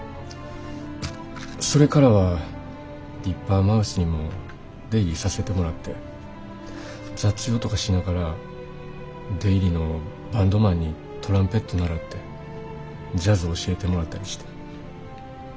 それからはディッパーマウスにも出入りさせてもらって雑用とかしながら出入りのバンドマンにトランペット習ってジャズ教えてもろたりして。